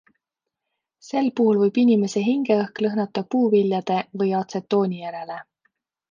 Sel puhul võib inimese hingeõhk lõhnata puuviljade või atsetooni järele.